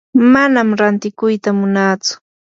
manam rantikuyta munatsu.